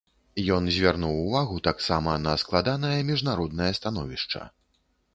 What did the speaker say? Ён звярнуў увагу таксама на складанае міжнароднае становішча.